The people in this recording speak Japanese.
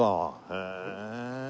へえ。